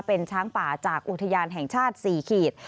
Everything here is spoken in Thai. เป็นช้างป่าจากอุทยานแห่งชาติ๔ขีด